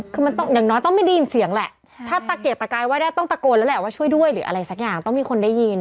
คือมันต้องอย่างน้อยต้องไม่ได้ยินเสียงแหละถ้าตะเกียกตะกายว่าได้ต้องตะโกนแล้วแหละว่าช่วยด้วยหรืออะไรสักอย่างต้องมีคนได้ยิน